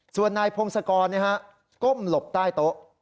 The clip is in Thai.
ส่วนนายพงศกรก้มหลบใต้โต๊ะ